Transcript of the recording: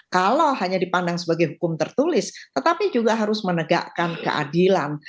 kalau hanya dipandang sebagai hukum tertulis tetapi juga harus menegakkan keadilan